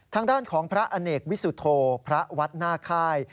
ทางด้านของพระอเนกวิสุโธพระวัดหน้าค่าย